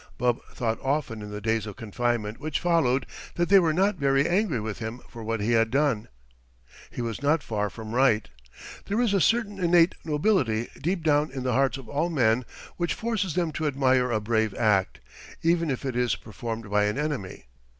Bub thought often in the days of confinement which followed that they were not very angry with him for what he had done. He was not far from right. There is a certain innate nobility deep down in the hearts of all men, which forces them to admire a brave act, even if it is performed by an enemy.